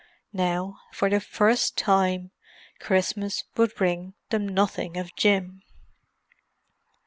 Now, for the first time, Christmas would bring them nothing of Jim.